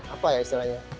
apa ya istilahnya